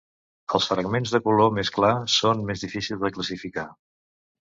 Els fragments de color més clar són més difícils de classificar.